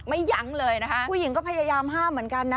ยั้งเลยนะคะผู้หญิงก็พยายามห้ามเหมือนกันนะ